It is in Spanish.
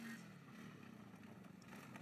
Tienen seis hendiduras branquiales.